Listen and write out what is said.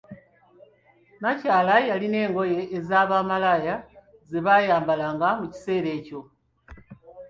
Nakyala yalina engoye eza bamalaaya zebayambalanga mu kiseera ekyo.